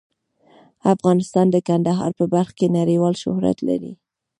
افغانستان د کندهار په برخه کې نړیوال شهرت لري.